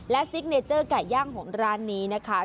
ซิกเนเจอร์ไก่ย่างของร้านนี้นะคะ